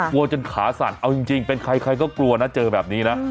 จนขาสั่นเอาจริงเป็นใครใครก็กลัวนะเจอแบบนี้นะ